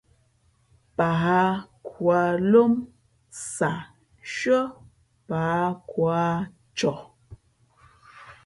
Pǎh khu ā lǒm sah nshʉ́ά pǎh khu ā coh.